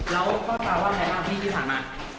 แล้วข้อตาว่าไหนครับพี่พี่สามารถ